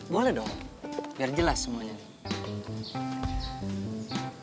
boleh dong biar jelas semuanya